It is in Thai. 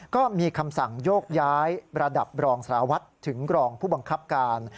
ก็มีคำสั่งโยกย้ายระดับรองสารวัตรถึงรองผู้บังคับการ